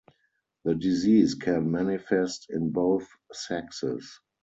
The disease can manifest in both sexes.